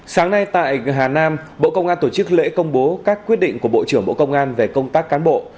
sáng nay tại hà nam bộ công an tổ chức lễ công bố các quyết định của bộ trưởng bộ công an về công tác cán bộ